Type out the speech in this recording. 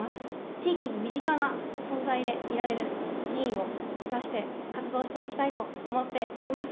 地域に身近な存在でいられる議員を目指して活動していきたいと思っております。